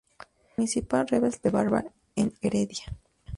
Municipal Rebeldes de Barva en Heredia.